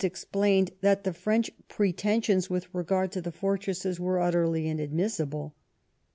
explained that the French pretensions with regard to the fortresses were ntterly inadmissible.